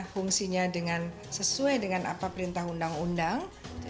fungsinya sesuai dengan apa perintah undang undang